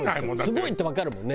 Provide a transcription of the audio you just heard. すごいってわかるもんね。